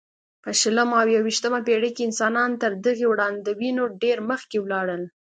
په شلمه او یویشتمه پېړۍ کې انسانان تر دغې وړاندوینو ډېر مخکې ولاړل.